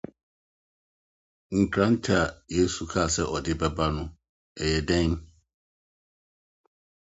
“ Nkrante ” a Yesu kae sɛ ɔde bɛba no, ɛyɛ dɛn?